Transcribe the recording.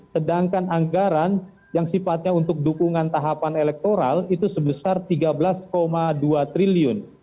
sedangkan anggaran yang sifatnya untuk dukungan tahapan elektoral itu sebesar rp tiga belas dua triliun